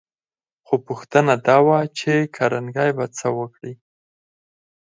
خو پوښتنه دا وه چې کارنګي به څه وکړي